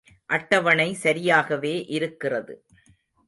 அட்டவணை சரியாகவே இருக்கிறது.